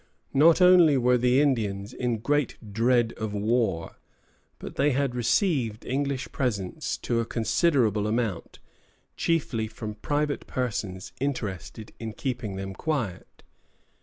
Not only were the Indians in great dread of war, but they had received English presents to a considerable amount, chiefly from private persons interested in keeping them quiet.